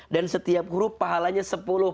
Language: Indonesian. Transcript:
dan setiap huruf pahalanya sepuluh